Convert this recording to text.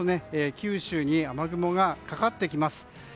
九州に雨雲がかかってきます。